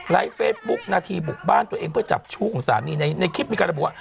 ไลฟ์เฟสบุ๊คนาธีบุกบ้านตัวเองเพื่อจับชู้ของสามีในในคลิปมีการบัว